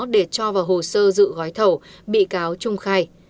để cho vào hồ sơ dự gói thầu bị cáo trung khai